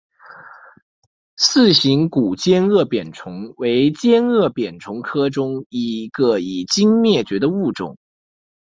似形古尖腭扁虫为尖腭扁虫科中一个已灭绝的物种。